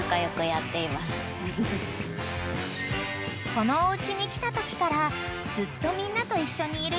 ［このおうちに来たときからずっとみんなと一緒にいるきなこは］